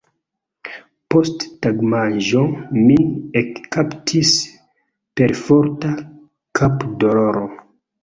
Post tagmanĝo, min ekkaptis perforta kapdoloro.